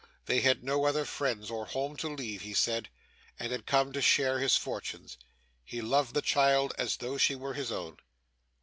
They had no other friends or home to leave, he said, and had come to share his fortunes. He loved the child as though she were his own.